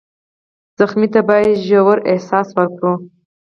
ټپي ته باید ژور احساس ورکړو.